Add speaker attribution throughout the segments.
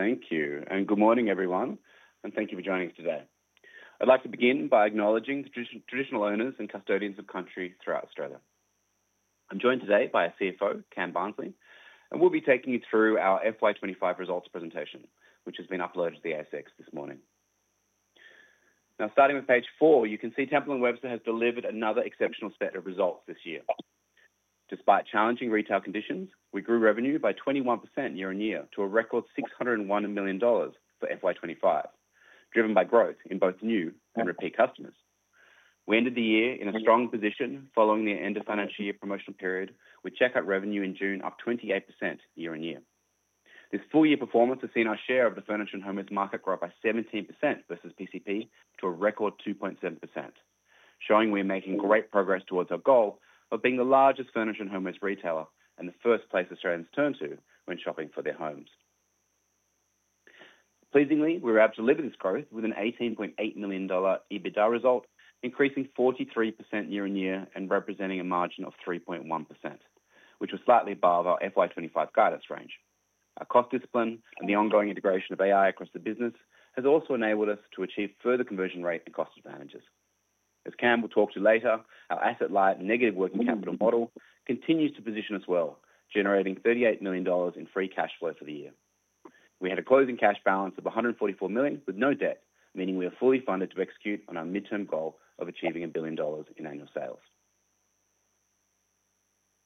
Speaker 1: Thank you, and good morning, everyone, and thank you for joining us today. I'd like to begin by acknowledging the traditional owners and custodians of [the] country throughout Australia. I'm joined today by our CFO, Cameron Barnsley, and we'll be taking you through our FY 2025 results presentation, which has been uploaded to the ASX this morning. Now, starting with page 4, you can see Temple & Webster has delivered another exceptional set of results this year. Despite challenging retail conditions, we grew revenue by 21% year-on-year to a record AUS 601 million for FY 2025, driven by growth in both new and repeat customers. We ended the year in a strong position following the end of the financial year promotional period, with checkout revenue in June up 28% year-on-year. This full-year performance has seen our share of the furniture and home goods market grow by 17% versus PCP to a record 2.7%, showing we're making great progress towards our goal of being the largest furniture and home goods retailer and the first place Australians turn to when shopping for their homes. Pleasingly, we were able to deliver this growth with an AUS 18.8 million EBITDA result, increasing 43% year-on-year and representing a margin of 3.1%, which was slightly above our FY 2025 guidance range. Our cost discipline and the ongoing integration of AI across the business have also enabled us to achieve further conversion rate and cost advantages. As Cameron will talk to you later, our asset-light negative working capital model continues to position us well, generating AUS 38 million in free cash flow for the year. We had a closing cash balance of AUS 144 million with no debt, meaning we are fully funded to execute on our mid-term goal of achieving AUS 1 billion in annual sales.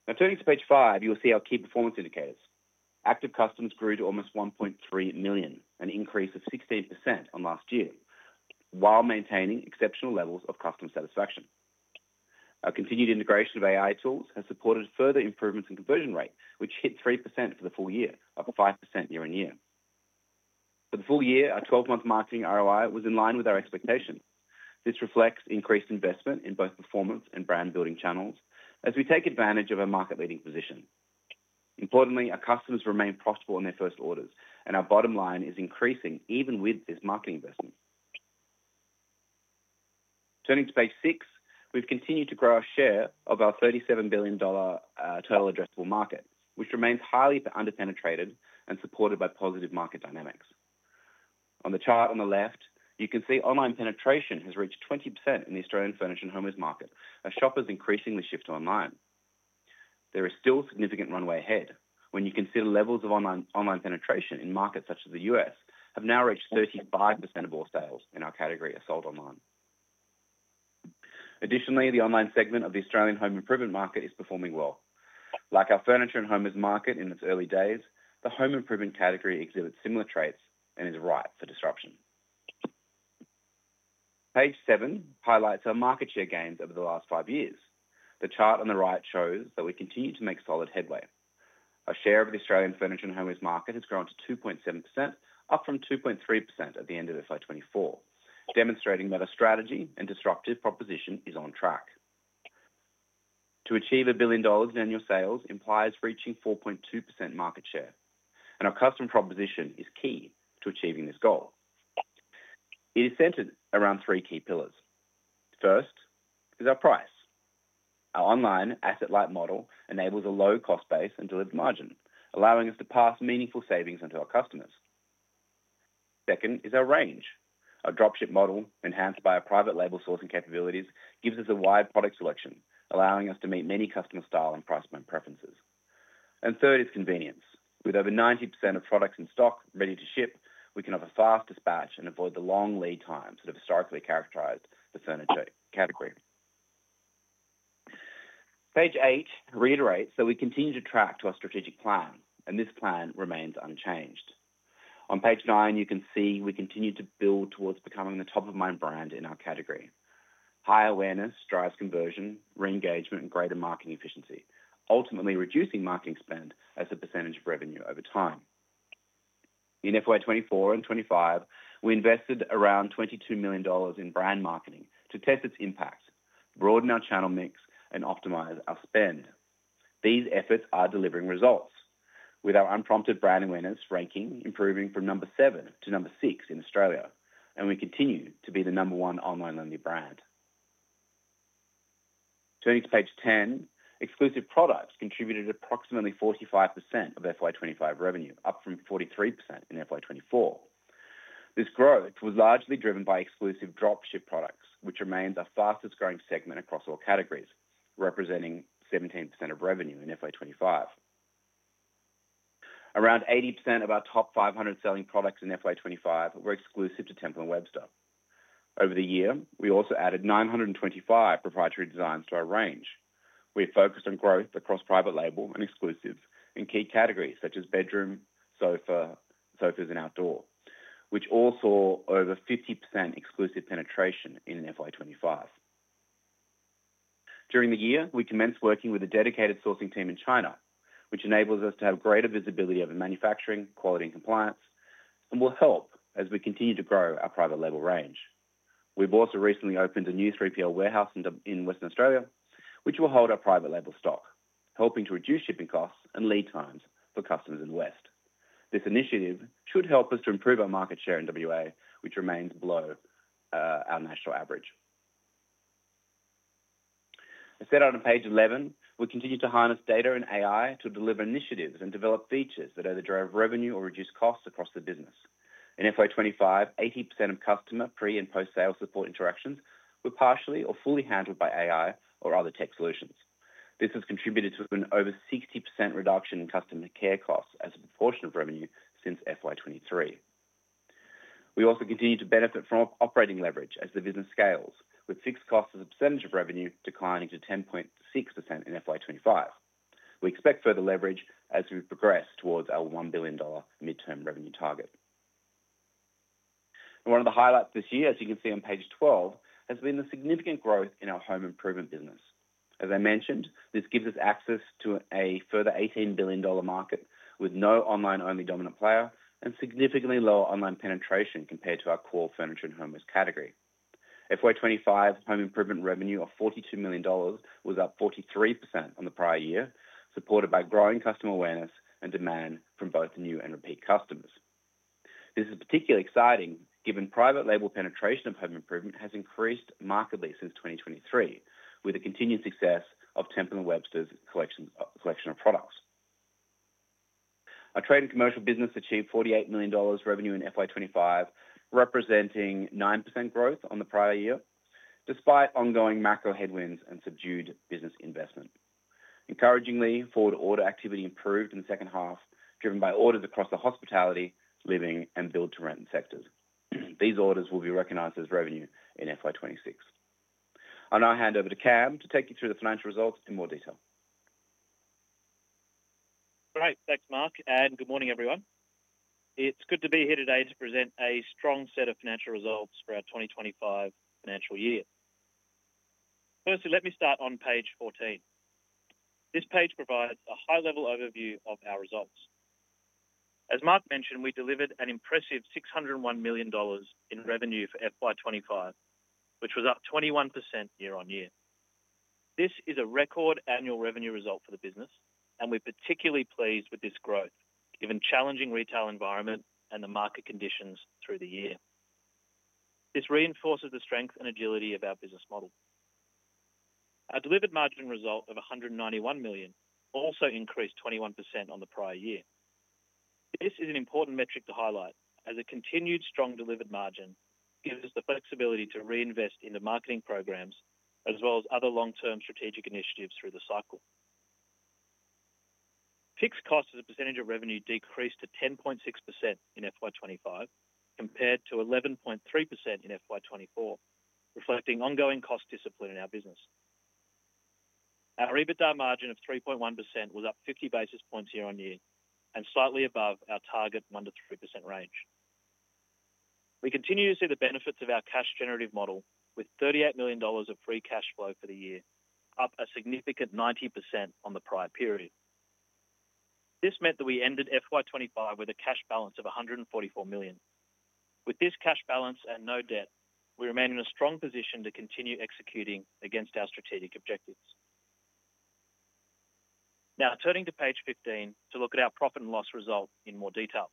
Speaker 1: Now, turning to page 5, you'll see our key performance indicators. Active customers grew to almost 1.3 million, an increase of 16% on last year, while maintaining exceptional levels of customer satisfaction. Our continued integration of AI tools has supported further improvements in conversion rate, which hit 3% for the full year, up 5% year-on-year. For the full year, our 12-month marketing ROI was in line with our expectations. This reflects increased investment in both performance and brand-building channels, as we take advantage of our market-leading position. Importantly, our customers remain profitable on their first orders, and our bottom line is increasing even with this marketing investment. Turning to page 6, we've continued to grow our share of our AUS 37 billion total addressable market, which remains highly underpenetrated and supported by positive market dynamics. On the chart on the left, you can see online penetration has reached 20% in the Australian furniture and home goods market, as shoppers increasingly shift online. There is still significant runway ahead, when you consider levels of online penetration in markets such as the U.S. have now reached 35% of all sales in our category are sold online. Additionally, the online segment of the Australian home improvement market is performing well. Like our furniture and home goods market in its early days, the home improvement category exhibits similar traits and is ripe for disruption. Page 7 highlights our market share gains over the last five years. The chart on the right shows that we continue to make solid headway. Our share of the Australian furniture and home goods market has grown to 2.7%, up from 2.3% at the end of FY 2024, demonstrating that our strategy and disruptive proposition are on track. To achieve AUS 1 billion in annual sales implies reaching 4.2% market share, and our customer proposition is key to achieving this goal. It is centered around three key pillars. First is our price. Our online asset-light model enables a low cost base and delivered margin, allowing us to pass meaningful savings onto our customers. Second is our range. Our dropship model, enhanced by our private label sourcing capabilities, gives us a wide product selection, allowing us to meet many customer styles and price point preferences. Third is convenience. With over 90% of products in stock ready to ship, we can offer fast dispatch and avoid the long lead times that have historically characterized the furniture category. Page 8 reiterates that we continue to track to our strategic plan, and this plan remains unchanged. On page 9, you can see we continue to build towards becoming the top-of-mind brand in our category. High awareness drives conversion, re-engagement, and greater marketing efficiency, ultimately reducing marketing spend as a percentage of revenue over time. In FY 2024 and FY 2025, we invested around AUS 22 million in brand marketing to test its impact, broaden our channel mix, and optimize our spend. These efforts are delivering results, with our unprompted brand awareness ranking improving from number 7 to number 6 in Australia, and we continue to be the number one online leading brand. Turning to page 10, exclusive products contributed approximately 45% of FY 2025 revenue, up from 43% in FY 2024. This growth was largely driven by exclusive dropship products, which remained our fastest growing segment across all categories, representing 17% of revenue in FY 2025. Around 80% of our top 500 selling products in FY 2025 were exclusive to Temple & Webster. Over the year, we also added 925 proprietary designs to our range. We're focused on growth across private label and exclusives in key categories, such as bedroom, sofa, sofas, and outdoor, which all saw over 50% exclusive penetration in FY 2025. During the year, we commenced working with a dedicated sourcing team in China, which enables us to have greater visibility of manufacturing, quality, and compliance, and will help as we continue to grow our private label range. We've also recently opened a new 3PL warehouse in Western Australia, which will hold our private label stock, helping to reduce shipping costs and lead times for customers in the West. This initiative should help us to improve our market share in WA, which remains below our national average. As said on page 11, we continue to harness data and AI to deliver initiatives and develop features that either drive revenue or reduce costs across the business. In FY 2025, 80% of customer pre- and post-sale support interactions were partially or fully handled by AI or other tech solutions. This has contributed to an over 60% reduction in customer care costs as a proportion of revenue since FY 2023. We also continue to benefit from operating leverage as the business scales, with fixed costs as a percentage of revenue declining to 10.6% in FY 2025. We expect further leverage as we progress towards our AUS 1 billion mid-term revenue target. One of the highlights this year, as you can see on page 12, has been the significant growth in our home improvement business. As mentioned, this gives us access to a further AUS 18 billion market, with no online-only dominant player and significantly lower online penetration compared to our core furniture and home goods category. FY 2025 home improvement revenue of AUS 42 million was up 43% on the prior year, supported by growing customer awareness and demand from both new and repeat customers. This is particularly exciting given private label penetration of home improvement has increased markedly since 2023, with the continued success of Temple & Webster's collection of products. Our Trade & Commercial division achieved AUS 48 million revenue in FY 2025, representing 9% growth on the prior year, despite ongoing macro headwinds and subdued business investment. Encouragingly, forward order activity improved in the second half, driven by orders across the hospitality, living, and build-to-rent sectors. These orders will be recognized as revenue in FY 2026. I'll now hand over to Cam to take you through the financial results in more detail.
Speaker 2: Great, thanks, Mark, and good morning, everyone. It's good to be here today to present a strong set of financial results for our 2025 financial year. Firstly, let me start on page 14. This page provides a high-level overview of our results. As Mark mentioned, we delivered an impressive AUS 601 million in revenue for FY 2025, which was up 21% year-on-year. This is a record annual revenue result for the business, and we're particularly pleased with this growth, given the challenging retail environment and the market conditions through the year. This reinforces the strength and agility of our business model. Our delivered margin result of AUS 191 million also increased 21% on the prior year. This is an important metric to highlight, as a continued strong delivered margin gives us the flexibility to reinvest in the marketing programs, as well as other long-term strategic initiatives through the cycle. Fixed costs as a percentage of revenue decreased to 10.6% in FY 2025 compared to 11.3% in FY 2024, reflecting ongoing cost discipline in our business. Our EBITDA margin of 3.1% was up 50 basis points year-on-year and slightly above our target 1%-3% range. We continue to see the benefits of our cash-generative model, with AUS 38 million of free cash flow for the year, up a significant 19% on the prior period. This meant that we ended FY 2025 with a cash balance of AUS 144 million. With this cash balance and no debt, we remain in a strong position to continue executing against our strategic objectives. Now, turning to page 15 to look at our profit and loss result in more detail.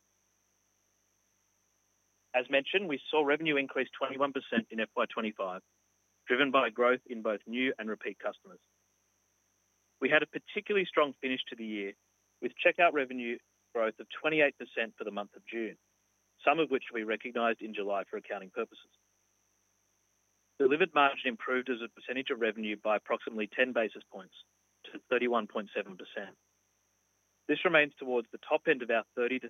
Speaker 2: As mentioned, we saw revenue increase 21% in FY 2025, driven by growth in both new and repeat customers. We had a particularly strong finish to the year, with checkout revenue growth of 28% for the month of June, some of which we recognized in July for accounting purposes. Delivered margin improved as a percentage of revenue by approximately 10 basis points to 31.7%. This remains towards the top end of our 30%-32%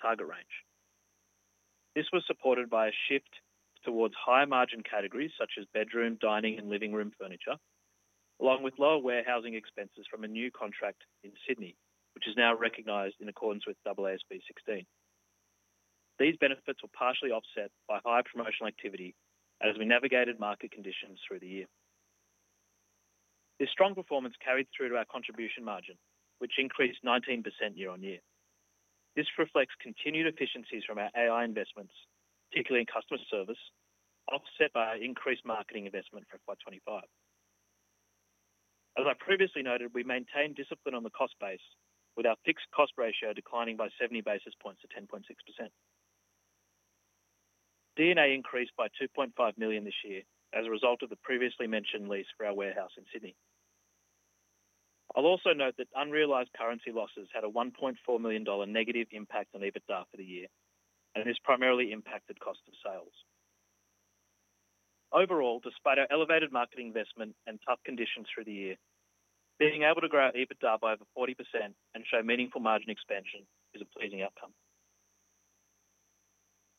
Speaker 2: target range. This was supported by a shift towards higher margin categories, such as bedroom, dining, and living room furniture, along with lower warehousing expenses from a new contract in Sydney, which is now recognized in accordance with AASB 16. These benefits were partially offset by high promotional activity as we navigated market conditions through the year. This strong performance carried through to our contribution margin, which increased 19% year-on-year. This reflects continued efficiencies from our AI investments, particularly in customer service, offset by our increased marketing investment for FY 2025. As I previously noted, we maintained discipline on the cost base, with our fixed cost ratio declining by 70 basis points to 10.6%. D&A increased by AUS 2.5 million this year as a result of the previously mentioned lease for our warehouse in Sydney. I'll also note that unrealized currency losses had a AUS 1.4 million negative impact on EBITDA for the year, and this primarily impacted cost of sales. Overall, despite our elevated marketing investment and tough conditions through the year, being able to grow our EBITDA by over 40% and show meaningful margin expansion is a pleasing outcome.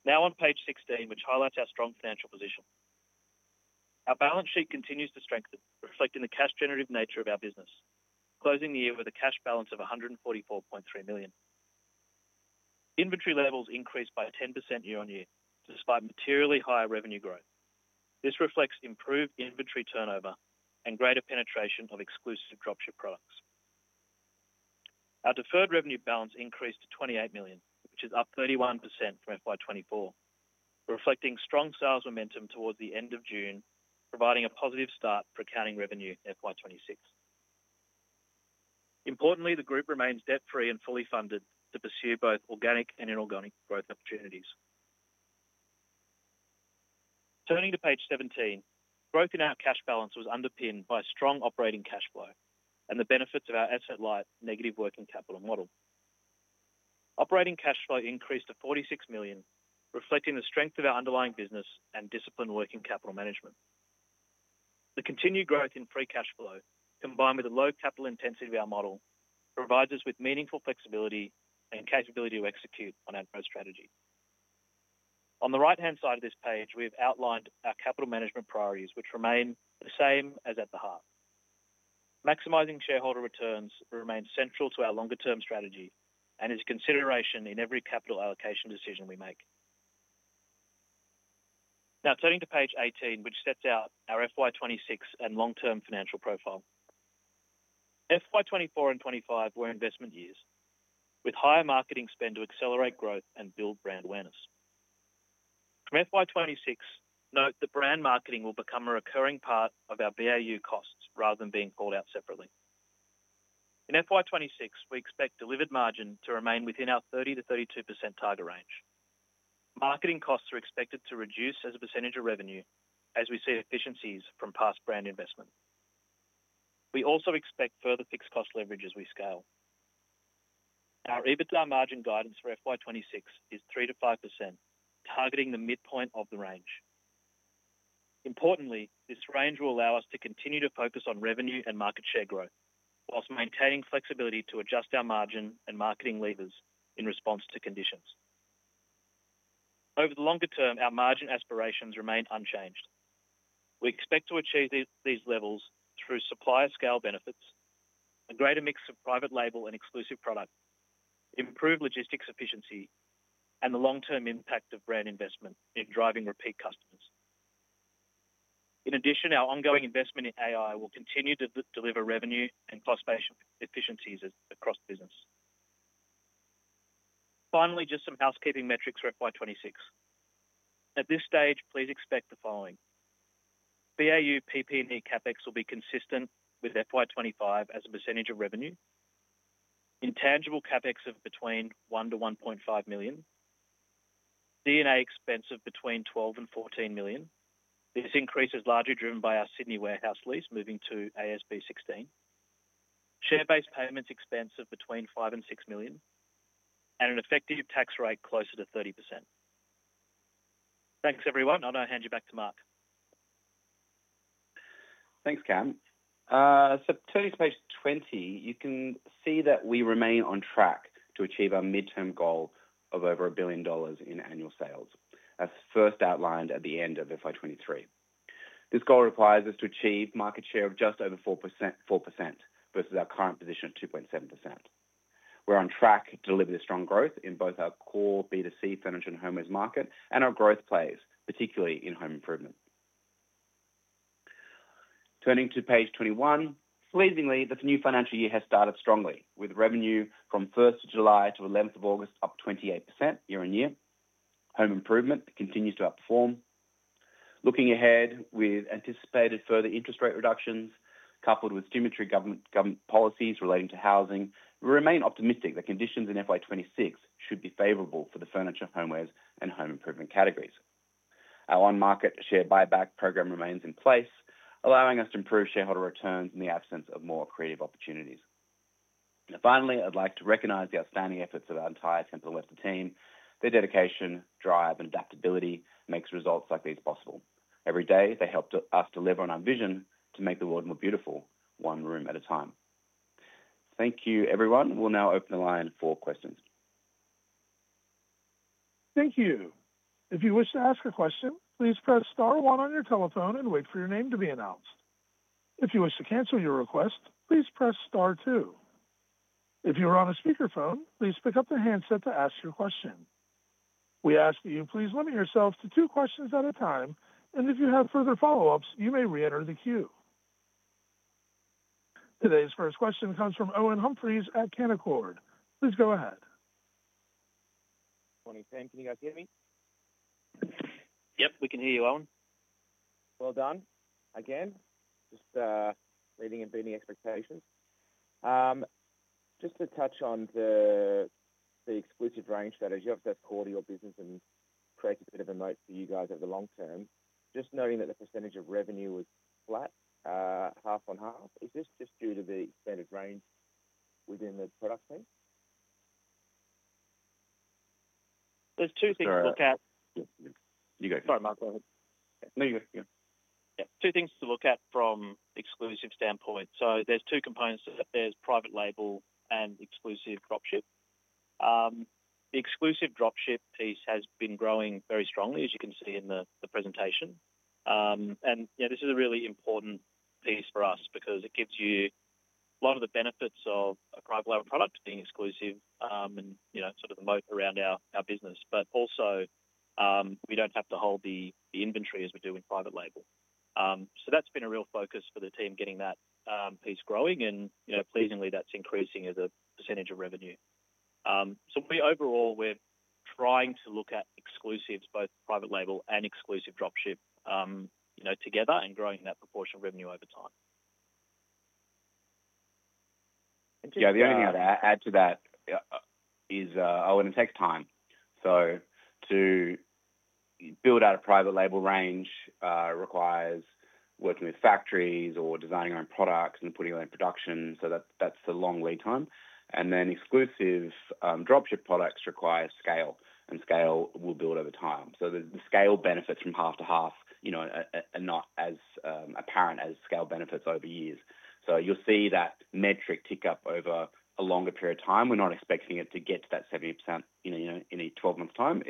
Speaker 2: Now on page 16, which highlights our strong financial position. Our balance sheet continues to strengthen, reflecting the cash-generative nature of our business, closing the year with a cash balance of AUS 144.3 million. Inventory levels increased by 10% year-on-year, despite materially higher revenue growth. This reflects improved inventory turnover and greater penetration of exclusive dropship products. Our deferred revenue balance increased to AUS 28 million, which is up 31% from FY 2024, reflecting strong sales momentum towards the end of June, providing a positive start for accounting revenue FY 2026. Importantly, the group remains debt-free and fully funded to pursue both organic and inorganic growth opportunities. Turning to page 17, growth in our cash balance was underpinned by strong operating cash flow and the benefits of our asset-light negative working capital model. Operating cash flow increased to AUS 46 million, reflecting the strength of our underlying business and disciplined working capital management. The continued growth in free cash flow, combined with the low capital intensity of our model, provides us with meaningful flexibility and capability to execute on our growth strategy. On the right-hand side of this page, we've outlined our capital management priorities, which remain the same as at the heart. Maximizing shareholder returns remains central to our longer-term strategy and is a consideration in every capital allocation decision we make. Now, turning to page 18, which sets out our FY 2026 and long-term financial profile. FY 2024 and 2025 were investment years, with higher marketing spend to accelerate growth and build brand awareness. From FY 2026, note that brand marketing will become a recurring part of our BAU costs rather than being called out separately. In FY 2026, we expect delivered margin to remain within our 30%-32% target range. Marketing costs are expected to reduce as a percentage of revenue, as we see efficiencies from past brand investment. We also expect further fixed cost leverage as we scale. Our EBITDA margin guidance for FY 2026 is 3%-5%, targeting the midpoint of the range. Importantly, this range will allow us to continue to focus on revenue and market share growth, whilst maintaining flexibility to adjust our margin and marketing levers in response to conditions. Over the longer term, our margin aspirations remain unchanged. We expect to achieve these levels through supplier scale benefits, a greater mix of private label and exclusive products, improved logistics efficiency, and the long-term impact of brand investment in driving repeat customers. In addition, our ongoing investment in AI will continue to deliver revenue and cost-based efficiencies across the business. Finally, just some housekeeping metrics for FY 2026. At this stage, please expect the following: BAU, PP&E CapEx will be consistent with FY 2025 as a percentage of revenue. Intangible CapEx of between AUS 1 million-AUS 1.5 million. D&A expense of between AUS 12 million- AUS 14 million. This increase is largely driven by our Sydney warehouse lease moving to AASB 16. Share-based payments expense of between AUS 5 million-AUS 6 million, and an effective tax rate closer to 30%. Thanks, everyone. I'll now hand you back to Mark.
Speaker 1: Thanks, Cam. Turning to page 20, you can see that we remain on track to achieve our mid-term goal of over AUS 1 billion in annual sales, as first outlined at the end of FY 2023. This goal requires us to achieve market share of just over 4% versus our current position of 2.7%. We're on track to deliver this strong growth in both our core B2C furniture and home goods market and our growth plays, particularly in home improvement. Turning to page 21, pleasingly, the new financial year has started strongly, with revenue from July 1 to August 11 up 28% year-on-year. Home improvement continues to outperform. Looking ahead, with anticipated further interest rate reductions, coupled with stimulatory government policies relating to housing, we remain optimistic that conditions in FY 2026 should be favorable for the furniture, home goods, and home improvement categories. Our on-market share buyback program remains in place, allowing us to improve shareholder returns in the absence of more creative opportunities. Finally, I'd like to recognize the outstanding efforts of our entire Temple & Webster team. Their dedication, drive, and adaptability make results like these possible. Every day, they help us deliver on our vision to make the world more beautiful, one room at a time. Thank you, everyone. We'll now open the line for questions.
Speaker 3: Thank you. If you wish to ask a question, please press star one on your telephone and wait for your name to be announced. If you wish to cancel your request, please press star two. If you are on a speakerphone, please pick up the handset to ask your question. We ask that you please limit yourself to two questions at a time, and if you have further follow-ups, you may re-enter the queue. Today's first question comes from Owen Humphries at Canaccord. Please go ahead.
Speaker 4: Morning, thanks. Can you guys hear me?
Speaker 1: Yes, we can hear you, Owen.
Speaker 4: Done. Again, just leading and beating expectations. Just to touch on the exclusive range strategy, is that core to your business and does it create a bit of a moat for you guys over the long term? Just knowing that the percentage of revenue is flat, half on half, is this just due to the extended range within the product team?
Speaker 1: You go.
Speaker 2: Sorry, Mark, go ahead.
Speaker 1: No, you go.
Speaker 2: Yeah, two things to look at from the exclusive standpoint. There are two components. There's private label and exclusive dropship. The exclusive dropship piece has been growing very strongly, as you can see in the presentation. This is a really important piece for us because it gives you a lot of the benefits of a private label product being exclusive and sort of the moat around our business. Also, we don't have to hold the inventory as we do in private label. That's been a real focus for the team, getting that piece growing, and pleasingly, that's increasing as a percentage of revenue. Overall, we're trying to look at exclusives, both private label and exclusive dropship together, and growing that proportion of revenue over time.
Speaker 1: Yeah, the only thing I'd add to that is, Owen, it takes time. To build out a private label range requires working with factories or designing your own products and putting it in production, that's the long lead time. Exclusive dropship products require scale, and scale will build over time. The scale benefits from half to half are not as apparent as scale benefits over years. You'll see that metric tick up over a longer period of time. We're not expecting it to get to that 70% in a 12-month time.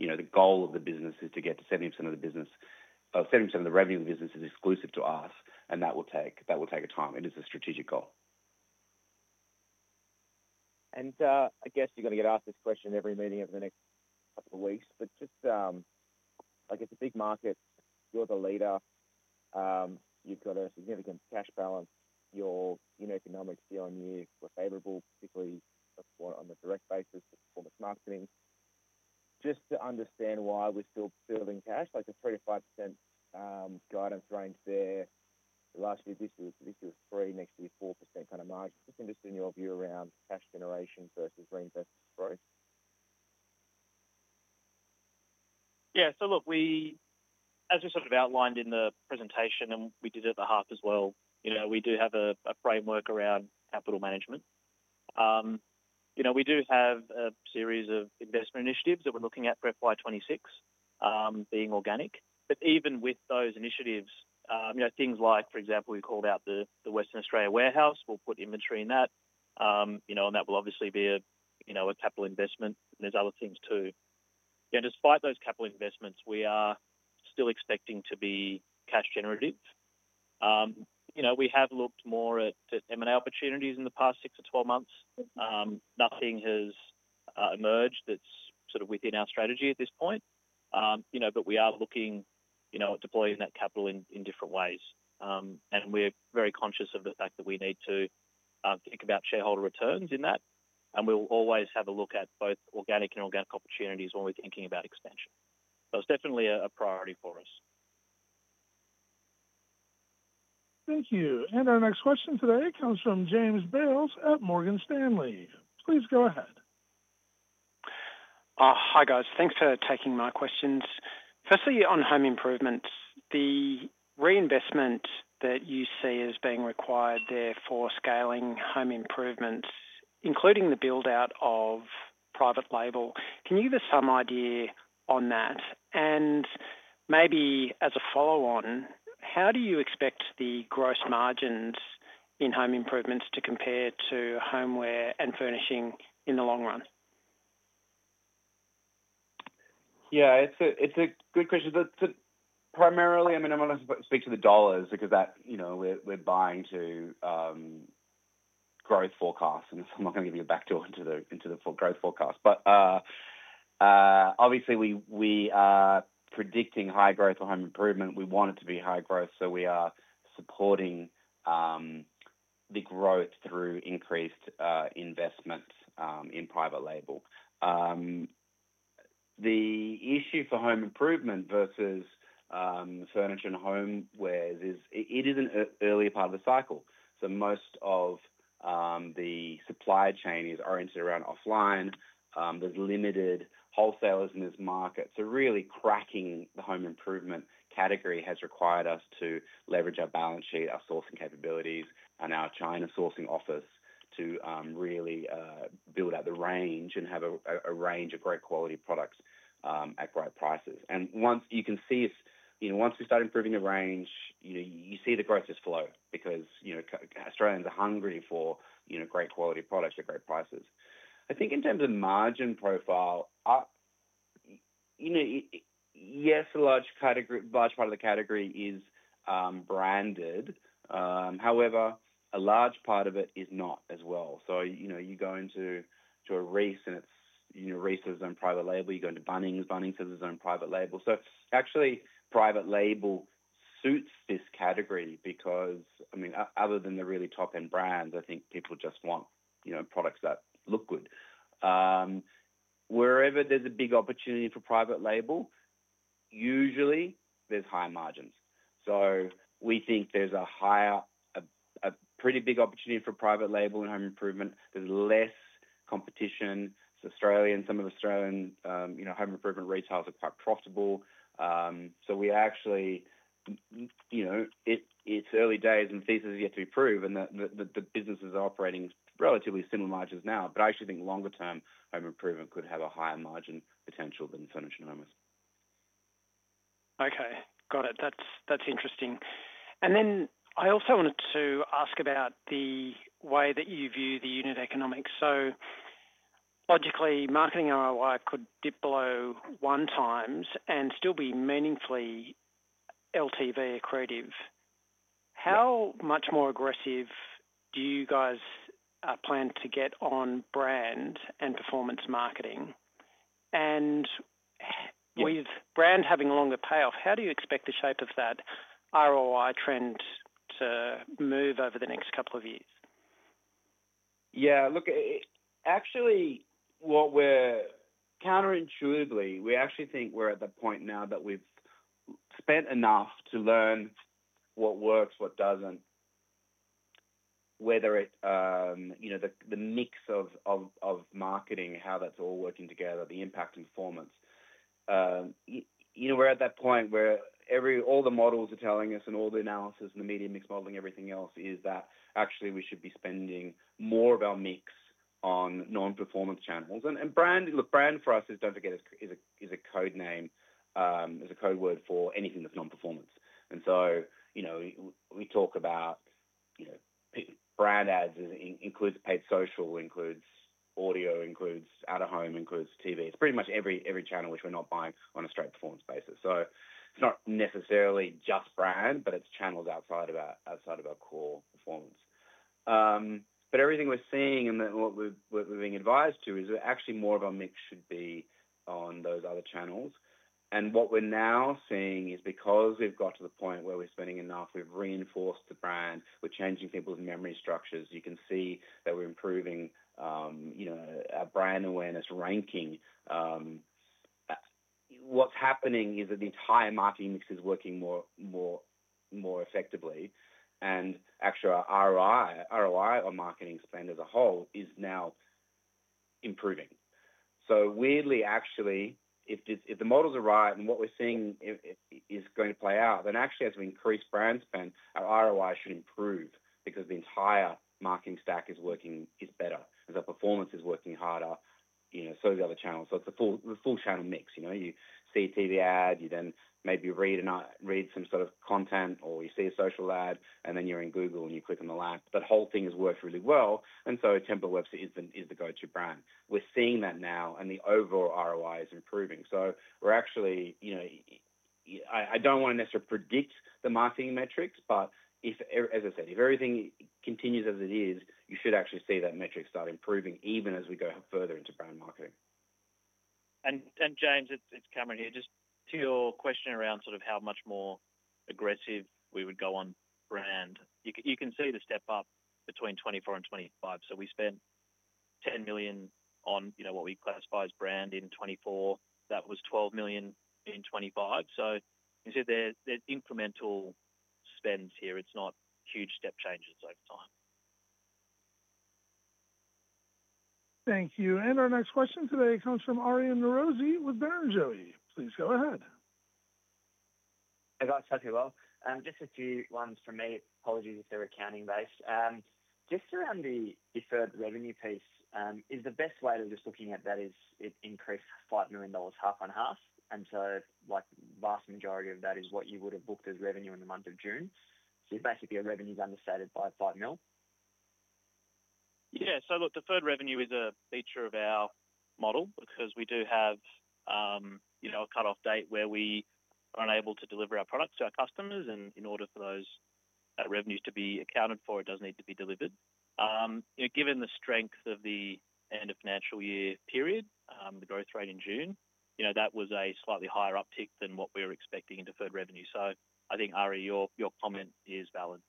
Speaker 1: The goal of the business is to get to 70% of the business, or 70% of the revenue in the business is exclusive to us, and that will take time. It is a strategic goal.
Speaker 4: I guess you're going to get asked this question in every meeting over the next couple of weeks, but it's a big market, you're the leader. You've got a significant cash balance. Your economics year-on-year were favorable, particularly on the direct basis to performance marketing. Just to understand why we're still building cash, like the 3%-5% guidance range there, last year, this year was 3%, next year 4% kind of margin. Just interested in your view around cash generation versus reinvested growth.
Speaker 2: Yeah, as we sort of outlined in the presentation, and we did at the heart as well, we do have a framework around capital management. We do have a series of investment initiatives that we're looking at for FY 2026, being organic. Even with those initiatives, things like, for example, we called out the Western Australia warehouse, we'll put inventory in that, and that will obviously be a capital investment. There are other things too. Despite those capital investments, we are still expecting to be cash generative. We have looked more at M&A opportunities in the past 6 or 12 months. Nothing has emerged that's within our strategy at this point. We are looking at deploying that capital in different ways, and we're very conscious of the fact that we need to think about shareholder returns in that, and we'll always have a look at both organic and inorganic opportunities when we're thinking about expansion. That's definitely a priority for us.
Speaker 3: Thank you. Our next question today comes from James Bales at Morgan Stanley. Please go ahead.
Speaker 5: Hi guys, thanks for taking my questions. Firstly, on home improvements, the reinvestment that you see as being required there for scaling home improvements, including the build-out of private label, can you give us some idea on that? Maybe as a follow-on, how do you expect the gross margins in home improvements to compare to homewares and furniture in the long run?
Speaker 1: Yeah, it's a good question. Primarily, I mean, I'm going to speak to the dollars because that, you know, we're buying to growth forecasts, and I'm not going to give you a back door into the growth forecast. Obviously, we are predicting high growth for home improvement. We want it to be high growth, so we are supporting the growth through increased investments in private label. The issue for home improvement versus furniture and homewares is it is an early part of the cycle, so most of the supply chain is oriented around offline. There's limited wholesalers in this market, so really cracking the home improvement category has required us to leverage our balance sheet, our sourcing capabilities, and our China sourcing office to really build out the range and have a range of great quality products at great prices. Once you can see if, you know, once we start improving the range, you see the growth just flow because, you know, Australians are hungry for, you know, great quality products at great prices. I think in terms of margin profile, yes, a large part of the category is branded. However, a large part of it is not as well. You go into a Reiss, and it's, you know, Reiss has its own private label. You go into Bunnings, Bunnings has its own private label. Actually, private label suits this category because, I mean, other than the really top-end brands, I think people just want, you know, products that look good. Wherever there's a big opportunity for private label, usually there's high margins. We think there's a higher, a pretty big opportunity for private label in home improvement. There's less competition. Australia, some of the Australian home improvement retailers are quite profitable. We actually, you know, it's early days and the thesis is yet to be proved, and the businesses are operating relatively similar margins now. I actually think longer-term home improvement could have a higher margin potential than furniture and homewares.
Speaker 5: Okay, got it. That's interesting. I also wanted to ask about the way that you view the unit economics. Logically, marketing ROI could dip below 1x and still be meaningfully LTV accretive. How much more aggressive do you guys plan to get on brand and performance marketing? With brand having a longer payoff, how do you expect the shape of that ROI trend to move over the next couple of years?
Speaker 1: Yeah, look, actually, counterintuitively, we actually think we're at the point now that we've spent enough to learn what works, what doesn't, the mix of marketing and how that's all working together, the impact and performance. We're at that point where all the models are telling us and all the analysis and the media mix modeling and everything else is that actually we should be spending more of our mix on non-performance channels. Brand, look, brand for us is, don't forget, is a code name, is a code word for anything that's non-performance. We talk about brand ads, include paid social, includes audio, includes out of home, includes TV. It's pretty much every channel which we're not buying on a straight performance basis. It's not necessarily just brand, but it's channels outside of our core performance. Everything we're seeing and what we're being advised to is actually more of our mix should be on those other channels. What we're now seeing is because we've got to the point where we're spending enough, we've reinforced the brand, we're changing people's memory structures, you can see that we're improving our brand awareness ranking. What's happening is that the entire marketing mix is working more effectively, and actually our ROI on marketing spend as a whole is now improving. Weirdly, actually, if the models are right and what we're seeing is going to play out, then as we increase brand spend, our ROI should improve because the entire marketing stack is working better and the performance is working harder, the other channels. It's the full channel mix. You see a TV ad, you then maybe read some sort of content, or you see a social ad, and then you're in Google and you click on the land. That whole thing has worked really well, and Temple & Webster is the go-to brand. We're seeing that now, and the overall ROI is improving. We're actually, I don't want to necessarily predict the marketing metrics, but if, as I said, if everything continues as it is, you should actually see that metric start improving even as we go further into brand marketing.
Speaker 2: James, it's Cameron here. To your question around sort of how much more aggressive we would go on brand, you can see the step up between 2024-2025. We spent AUS 10 million on what we classify as brand in 2024. That was AUS 12 million in 2025. You see there's incremental spends here. It's not huge step changes over time.
Speaker 3: Thank you. Our next question today comes from Aryan Norozi with Ben & Joey. Please go ahead.
Speaker 6: Hey guys, how's it going? Just a few ones from me. Apologies if they're accounting-based. Just around the deferred revenue piece, is the best way of just looking at that is it increased AUS 5 million half on half? The vast majority of that is what you would have booked as revenue in the month of June. You basically have revenues understated by AUS 5 million.
Speaker 2: Yeah, look, deferred revenue is a feature of our model because we do have a cutoff date where we are unable to deliver our products to our customers, and in order for those revenues to be accounted for, it does need to be delivered. Given the strength of the end of financial year period, the growth rate in June, that was a slightly higher uptick than what we were expecting in deferred revenue. I think, Ary, your comment is valid.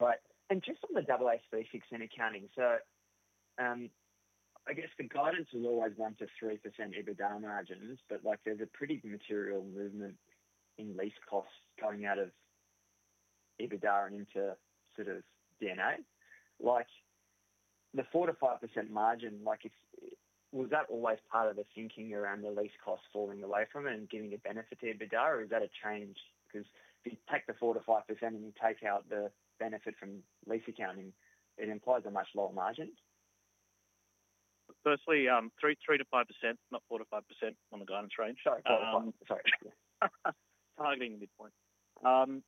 Speaker 6: Right. Just on the AASB 16 accounting, I guess the guidance is always 1%-3% EBITDA margins, but there's a pretty material movement in lease costs going out of EBITDA and into D&A. The 4%-5% margin, was that always part of the thinking around the lease costs falling away from it and giving a benefit to EBITDA, or is that a change? If you take the 4%-5% and you take out the benefit from lease accounting, it implies a much lower margin.
Speaker 2: Firstly, 3%-5%, not 4%-5% on the guidance range.
Speaker 6: Sorry, I'm sorry.
Speaker 2: Targeting midpoint.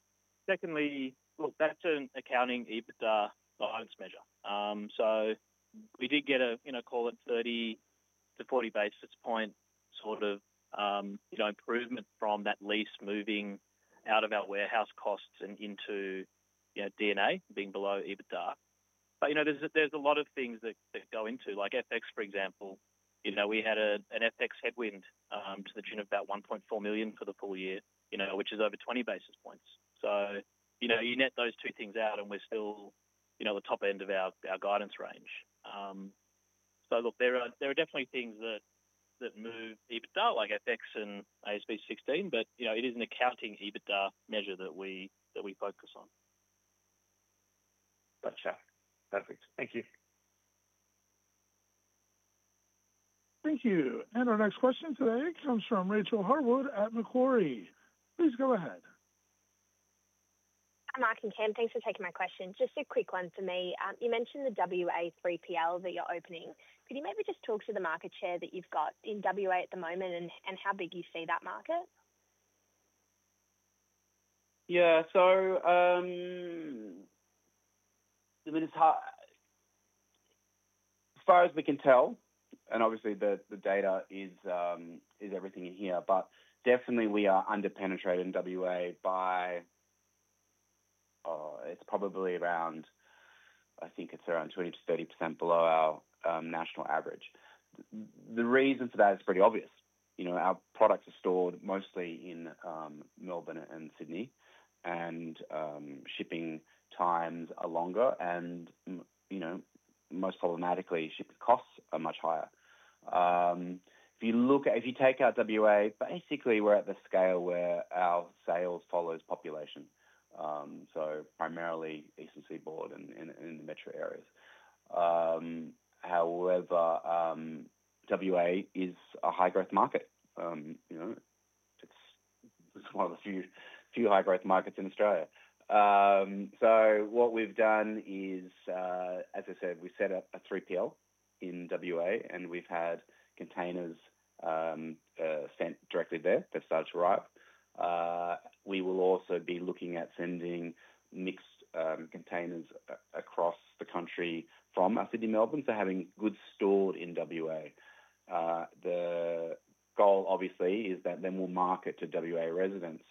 Speaker 2: Secondly, look, that's an accounting EBITDA guidance measure. We did get a, you know, call it 30-40 basis point sort of improvement from that lease moving out of our warehouse costs and into D&A being below EBITDA. There's a lot of things that go into, like FX, for example. We had an FX headwind to the June of about AUS 1.4 million for the full year, which is over 20 basis points. You net those two things out and we're still the top end of our guidance range. There are definitely things that move EBITDA, like FX and AASB 16, but it is an accounting EBITDA measure that we focus on.
Speaker 6: Gotcha. Perfect. Thank you.
Speaker 3: Thank you. Our next question today comes from Rachel Harwood at Macquarie. Please go ahead.
Speaker 7: Hi, Mark and Cam. Thanks for taking my question. Just a quick one for me. You mentioned the WA 3PL that you're opening. Could you maybe just talk to the market share that you've got in WA at the moment and how big you see that market?
Speaker 1: Yeah, so, I mean, as far as we can tell, and obviously the data is everything in here, but definitely we are underpenetrated in WA by, oh, it's probably around, I think it's around 20%-30% below our national average. The reason for that is pretty obvious. You know, our products are stored mostly in Melbourne and Sydney, and shipping times are longer, and, you know, most problematically, shipping costs are much higher. If you look, if you take our WA, basically we're at the scale where our sales follow population, so primarily Eastern Seaboard and in the metro areas. However, WA is a high-growth market. You know, it's one of the few high-growth markets in Australia. What we've done is, as I said, we set up a 3PL in WA, and we've had containers sent directly there that started to arrive. We will also be looking at sending mixed containers across the country from our Sydney and Melbourne for having goods stored in WA. The goal, obviously, is that then we'll market to WA residents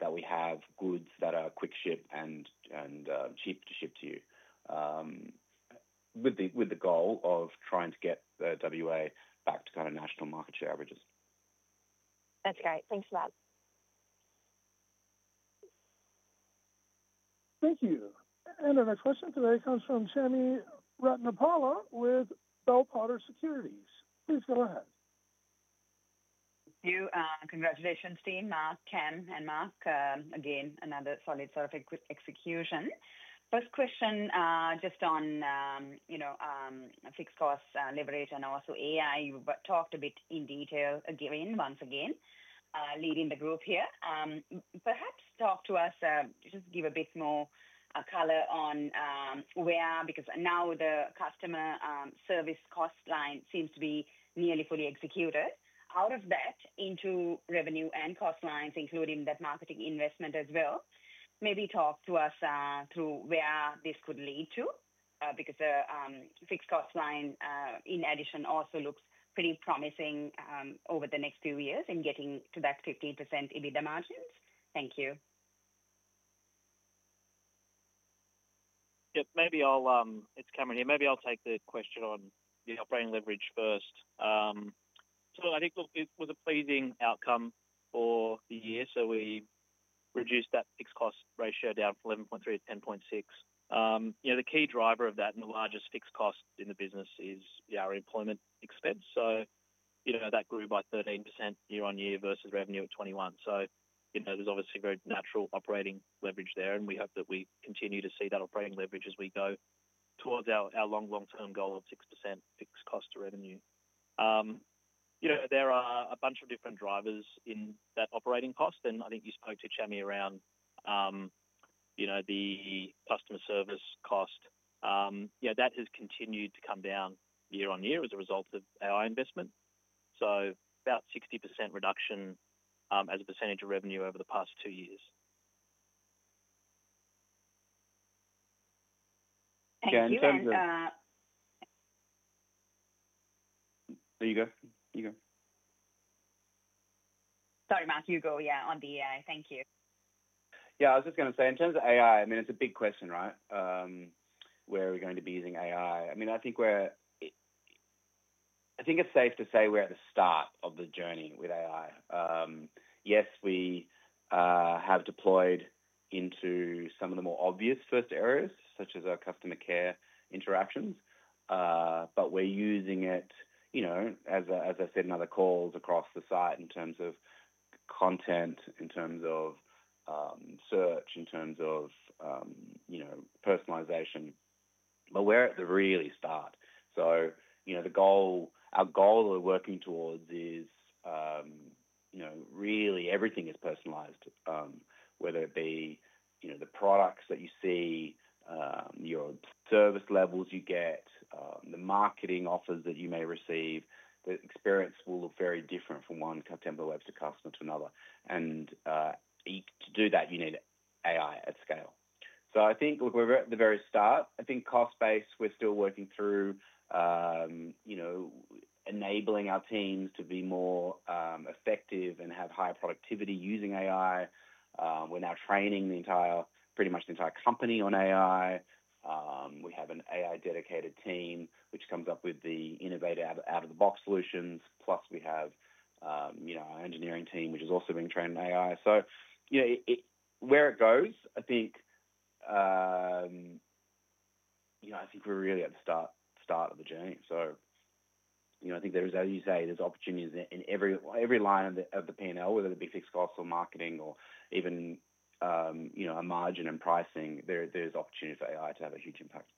Speaker 1: that we have goods that are quick ship and cheap to ship to you, with the goal of trying to get the WA back to kind of national market share averages.
Speaker 7: That's great. Thanks for that.
Speaker 3: Thank you. Our next question today comes from Chami Ratnapala with Bell Potter Securities. Please go ahead.
Speaker 8: Thank you. Congratulations, team, Mark, Cam, and Mark. Again, another solid sort of execution. First question, just on, you know, fixed cost leverage and also AI, you talked a bit in detail. Given, once again, leading the group here. Perhaps talk to us, just give a bit more color on where because now the customer service cost line seems to be nearly fully executed. Out of that, into revenue and cost lines, including that marketing investment as well. Maybe talk to us through where this could lead to because the fixed cost line, in addition, also looks pretty promising over the next few years in getting to that 15% EBITDA margins. Thank you.
Speaker 2: Yep, maybe I'll, it's Cameron here. Maybe I'll take the question on the operating leverage first. I think, look, it was a pleasing outcome for the year. We reduced that fixed cost ratio down from 11.3%-10.6%. The key driver of that and the largest fixed cost in the business is our employment expense. That grew by 13% year-on-year versus revenue at 21%. There's obviously a very natural operating leverage there, and we hope that we continue to see that operating leverage as we go towards our long-term goal of 6% fixed cost to revenue. There are a bunch of different drivers in that operating cost, and I think you spoke to Chami around the customer service cost. That has continued to come down year-on-year as a result of our investment. About 60% reduction as a percentage of revenue over the past two years. There you go.
Speaker 1: You go.
Speaker 8: Sorry, Mark, you go on the AI. Thank you.
Speaker 1: Yeah, I was just going to say, in terms of AI, I mean, it's a big question, right? Where are we going to be using AI? I think it's safe to say we're at the start of the journey with AI. Yes, we have deployed into some of the more obvious first areas, such as our customer care interactions, but we're using it, as I said in other calls, across the site in terms of content, in terms of search, in terms of personalization. We're at the really start. The goal, our goal that we're working towards is really everything is personalized, whether it be the products that you see, your service levels you get, the marketing offers that you may receive. The experience will look very different from one Temple & Webster customer to another. To do that, you need AI at scale. I think we're at the very start. I think cost-based, we're still working through enabling our teams to be more effective and have higher productivity using AI. We're now training pretty much the entire company on AI. We have an AI-dedicated team which comes up with the innovative out-of-the-box solutions. Plus, we have our engineering team, which is also being trained on AI. Where it goes, I think we're really at the start of the journey. I think there is, as you say, there's opportunities in every line of the P&L, whether it be fixed costs or marketing or even margin and pricing, there's opportunity for AI to have a huge impact.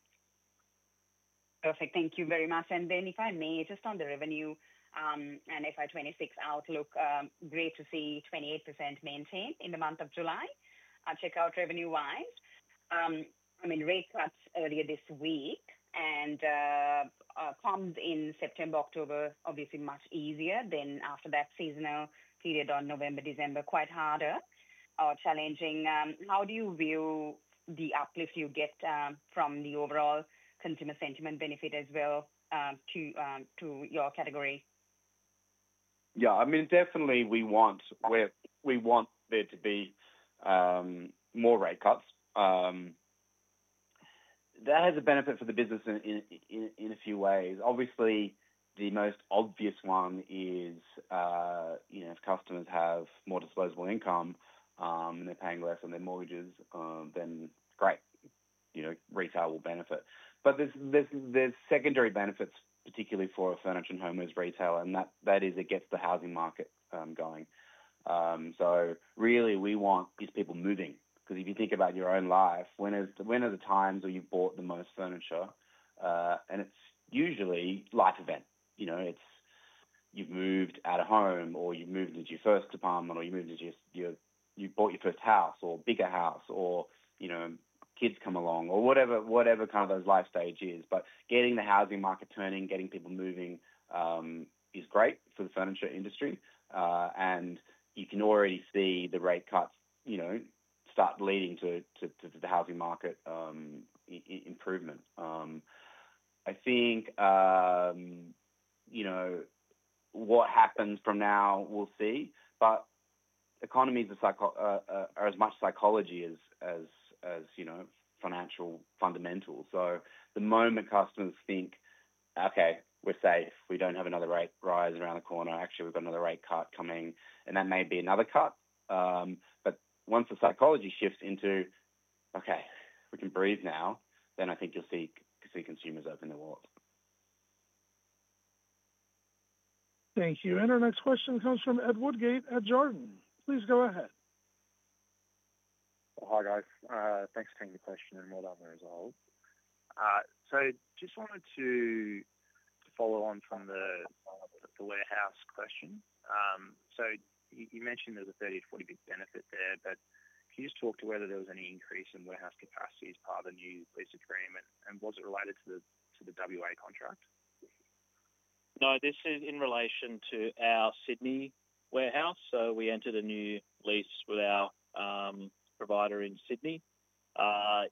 Speaker 8: Perfect. Thank you very much. If I may, just on the revenue and FY 2026 outlook, great to see 28% maintained in the month of July. I'll check out revenue-wise. I mean, rate cuts earlier this week and pumped in September, October, obviously much easier than after that seasonal period in November, December, quite harder or challenging. How do you view the uplift you get from the overall consumer sentiment benefit as well to your category?
Speaker 1: Yeah, I mean, definitely we want there to be more rate cuts. That has a benefit for the business in a few ways. Obviously, the most obvious one is, you know, if customers have more disposable income, they're paying less on their mortgages, then great, you know, retail will benefit. There are secondary benefits, particularly for a furniture and home goods retailer, and that is against the housing market going. Really, we want these people moving because if you think about your own life, when are the times where you've bought the most furniture? It's usually a life event. You know, you've moved out of home or you've moved into your first apartment or you've moved into your, you bought your first house or a bigger house or, you know, kids come along or whatever kind of those life stages is. Getting the housing market turning, getting people moving is great for the furniture industry. You can already see the rate cuts, you know, start leading to the housing market improvement. I think, you know, what happens from now, we'll see. Economies are as much psychology as, you know, financial fundamentals. The moment customers think, "Okay, we're safe, we don't have another rate rise around the corner, actually, we've got another rate cut coming," and that may be another cut. Once the psychology shifts into, "Okay, we can breathe now," then I think you'll see consumers open their wallets.
Speaker 3: Thank you. Our next question comes from Ed Woodgate at Jarden. Please go ahead.
Speaker 9: Hi guys, thanks for taking the question and what I've resolved. I just wanted to follow on from the warehouse question. You mentioned there's a 30%-40% benefit there, but can you just talk to whether there was any increase in warehouse capacity as part of the new lease agreement, and was it related to the WA contract?
Speaker 2: No, this is in relation to our Sydney warehouse. We entered a new lease with our provider in Sydney.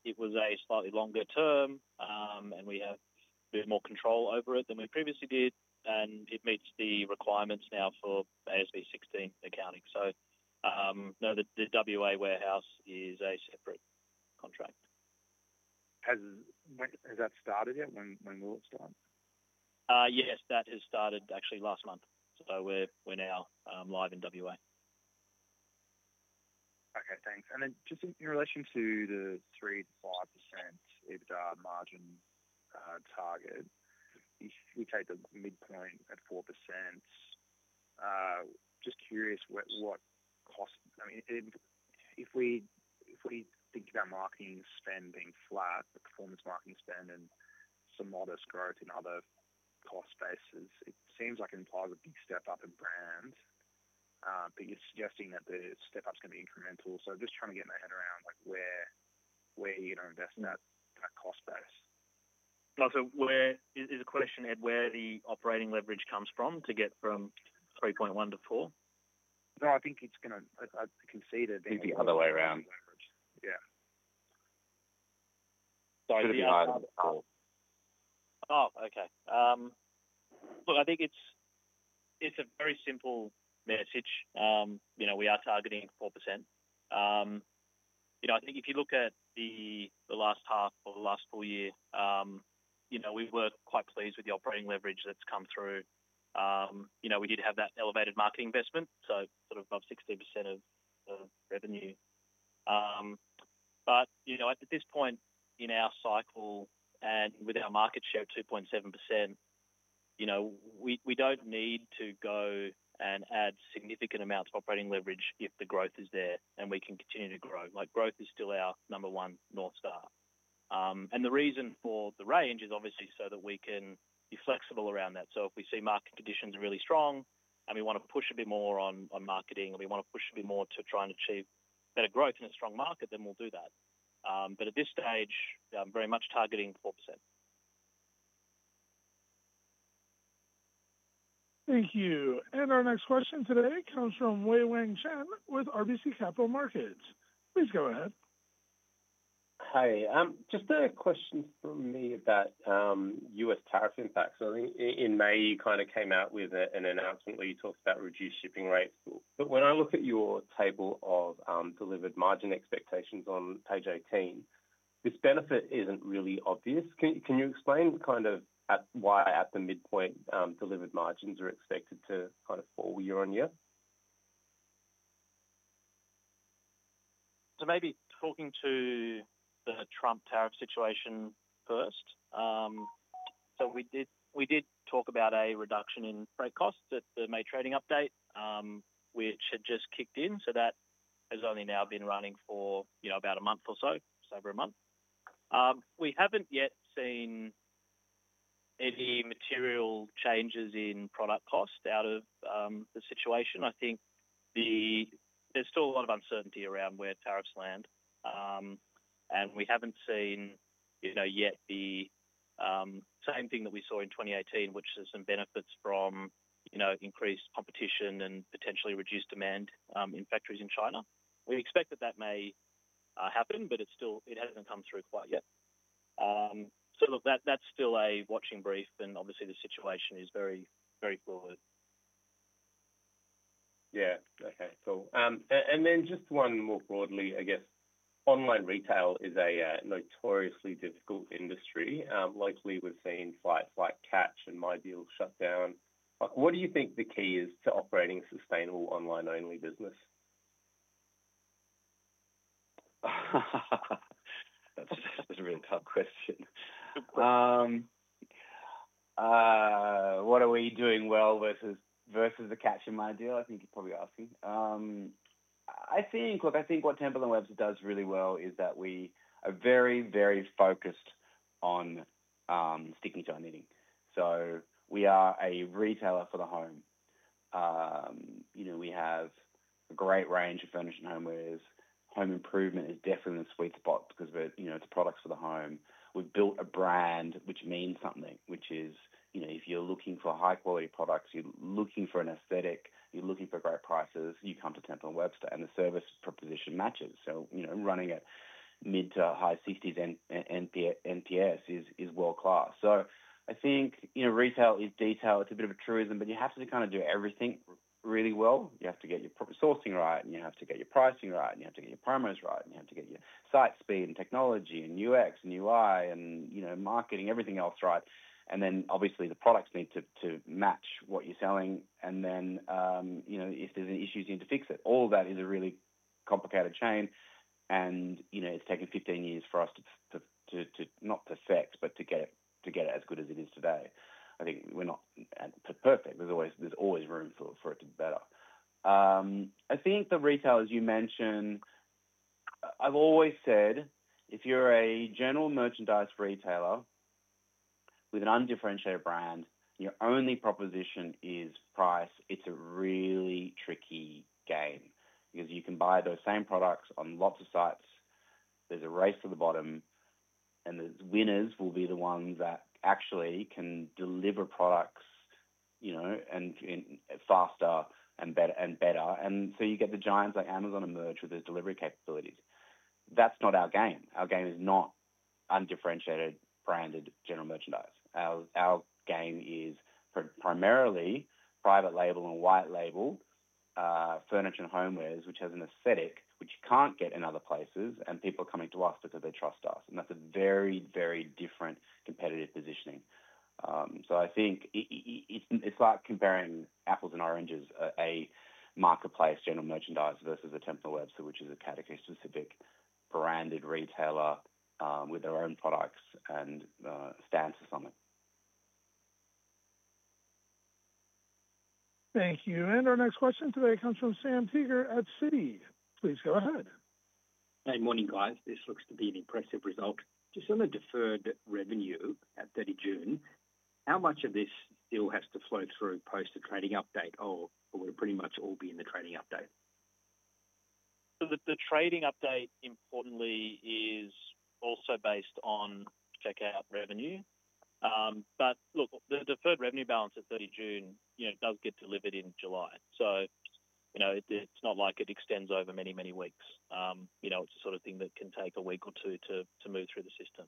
Speaker 2: It was a slightly longer term, and we have more control over it than we previously did, and it meets the requirements now for AASB 16 accounting. No, the WA warehouse is a separate contract.
Speaker 9: Has that started yet? When will it start?
Speaker 2: Yes, that has started actually last month. We're now live in WA.
Speaker 9: Okay, thanks. In relation to the 3%-5% EBITDA margin target, you take the midpoint at 4%. Just curious what cost, I mean, if we think about marketing spending flat, the performance marketing spend, and some modest growth in other cost bases, it seems like it implies a big step up in brand. You're suggesting that the step up is going to be incremental. Just trying to get my head around like where, you know, invest in that cost base.
Speaker 2: Where is the question, Ed, where the operating leverage comes from to get from 3.1-4?
Speaker 9: No, I think it's going to. I can see that.
Speaker 2: It's the other way around.
Speaker 9: Yeah.
Speaker 2: Okay. Look, I think it's a very simple message. You know, we are targeting 4%. You know, I think if you look at the last half of the last full year, you know, we were quite pleased with the operating leverage that's come through. We did have that elevated marketing investment, so sort of above 16% of revenue. At this point in our cycle and with our market share at 2.7%, you know, we don't need to go and add significant amounts of operating leverage if the growth is there and we can continue to grow. Growth is still our number one north star. The reason for the range is obviously so that we can be flexible around that. If we see market conditions are really strong and we want to push a bit more on marketing and we want to push a bit more to try and achieve better growth in a strong market, then we'll do that. At this stage, I'm very much targeting 4%.
Speaker 3: Thank you. Our next question today comes from [Weijiang Wang] with RBC Capital Markets. Please go ahead.
Speaker 10: Hi. Just a question for me about U.S. tariff impacts. I think in May, you kind of came out with an announcement where you talked about reduced shipping rates. When I look at your table of delivered margin expectations on page 18, this benefit isn't really obvious. Can you explain kind of why at the midpoint delivered margins are expected to kind of fall year on year?
Speaker 2: Maybe talking to the Trump tariff situation first. We did talk about a reduction in freight costs at the May trading update, which had just kicked in. That has only now been running for about a month or so, just over a month. We haven't yet seen any material changes in product cost out of the situation. I think there's still a lot of uncertainty around where tariffs land, and we haven't seen yet the same thing that we saw in 2018, which is some benefits from increased competition and potentially reduced demand in factories in China. We expect that may happen, but it still hasn't come through quite yet. That's still a watching brief, and obviously the situation is very, very fluid.
Speaker 10: Okay, cool. Just one more broadly, I guess online retail is a notoriously difficult industry. Lately, we've seen Catch and MyDeal shut down. What do you think the key is to operating a sustainable online-only business?
Speaker 1: That's a really tough question. What are we doing well versus the catch in my deal? I think you're probably asking. I think, look, I think what Temple & Webster does really well is that we are very, very focused on sticking to our knitting. We are a retailer for the home. We have a great range of furniture and homewares. Home improvement is definitely the sweet spot because it's a product for the home. We've built a brand which means something, which is, you know, if you're looking for high-quality products, you're looking for an aesthetic, you're looking for great prices, you come to Temple & Webster, and the service proposition matches. Running at mid to high 60s NPS is world-class. Retail is detail. It's a bit of a truism, but you have to kind of do everything really well. You have to get your sourcing right, and you have to get your pricing right, and you have to get your promos right, and you have to get your site speed and technology and UX and UI and marketing, everything else right. Obviously, the products need to match what you're selling, and if there's any issues you need to fix it. All of that is a really complicated chain, and it's taken 15 years for us to not perfect, but to get it as good as it is today. We're not perfect. There's always room for it to be better. The retailers you mentioned, I've always said if you're a general merchandise retailer with an undifferentiated brand, your only proposition is price. It's a really tricky game because you can buy those same products on lots of sites. There's a race to the bottom, and the winners will be the ones that actually can deliver products faster and better. You get the giants like Amazon emerge with those delivery capabilities. That's not our game. Our game is not undifferentiated branded general merchandise. Our game is primarily private label and white label furniture and homewares, which has an aesthetic which you can't get in other places, and people are coming to us because they trust us. That's a very, very different competitive positioning. It's like comparing apples and oranges, a marketplace general merchandise versus a Temple & Webster, which is a category-specific branded retailer with their own products and stance on it.
Speaker 3: Thank you. Our next question today comes from Sam Teeger at Citi. Please go ahead.
Speaker 11: Hey, morning guys. This looks to be an impressive result. Just on the deferred revenue at 30 June, how much of this still has to flow through post the trading update, or will it pretty much all be in the trading update?
Speaker 2: The trading update importantly is also based on checkout revenue. The deferred revenue balance at 30 June does get delivered in July. It's not like it extends over many, many weeks. It's the sort of thing that can take a week or two to move through the system.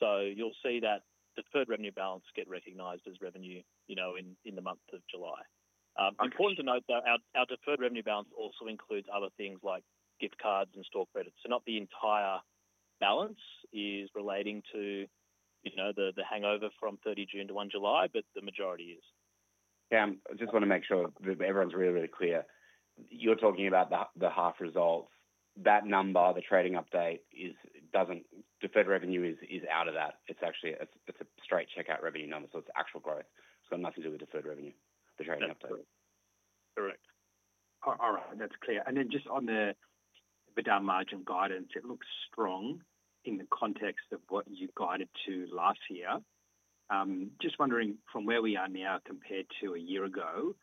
Speaker 2: You'll see that deferred revenue balance get recognized as revenue in the month of July. Important to note that our deferred revenue balance also includes other things like gift cards and store credits. Not the entire balance is relating to the hangover from 30 June to 1 July, but the majority is.
Speaker 1: Cam, I just want to make sure that everyone's really, really clear. You're talking about the half results. That number, the trading update doesn't, deferred revenue is out of that. It's actually, it's a straight checkout revenue number. It's actual growth. It's got nothing to do with deferred revenue, the trading update.
Speaker 2: Correct.
Speaker 11: All right, that's clear. Just on the EBITDA margin guidance, it looks strong in the context of what you guided to last year. Just wondering, from where we are now compared to a year ago,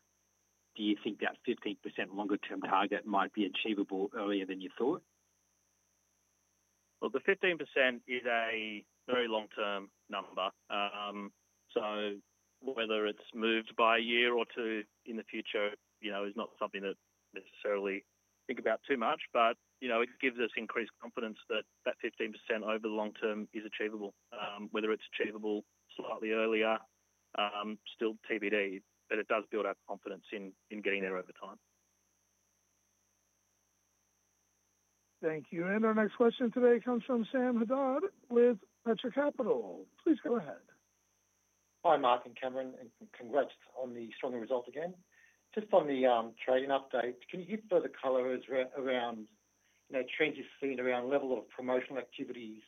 Speaker 11: do you think that 15% longer-term target might be achievable earlier than you thought?
Speaker 2: The 15% is a very long-term number. Whether it's moved by a year or two in the future is not something that we necessarily think about too much. It gives us increased confidence that that 15% over the long term is achievable. Whether it's achievable slightly earlier, still TBD, but it does build our confidence in getting there over time.
Speaker 3: Thank you. Our next question today comes from Sam Haddad with Petra Capital. Please go ahead.
Speaker 12: Hi, Mark and Cameron, and congrats on the stronger result again. Just on the trading update, can you give further colors around, you know, changes seen around the level of promotional activities